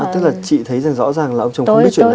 tức là chị thấy rõ ràng là ông chồng không biết chuyện này